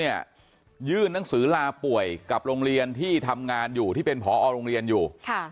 ยื่นหนังสือลาป่วยกับโรงเรียนที่ทำงานอยู่ที่เป็นผอโรงเรียนอยู่